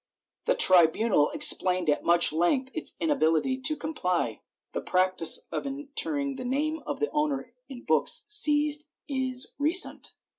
The tribunal explained at much length its inability to comply. The practice of entering the name of the owner in books seized is recent.